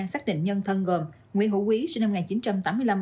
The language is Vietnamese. xác định nhân thân gồm nguyễn hữu quý sinh năm một nghìn chín trăm tám mươi năm